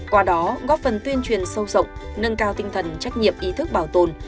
qua đó góp phần tuyên truyền sâu rộng nâng cao tinh thần trách nhiệm ý thức bảo tồn